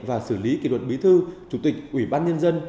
và xử lý kỷ luật bí thư chủ tịch ủy ban nhân dân